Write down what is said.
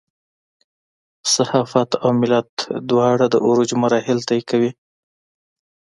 صحافت او ملت دواړه د عروج مراحل طی کوي.